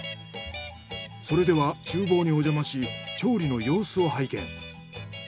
それではちゅう房におじゃまし調理の様子を拝見。